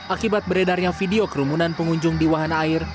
akibat beredarnya video kerumunan pengunjung di wahana air